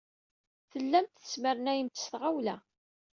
Tellamt tesmernayemt s tɣawla.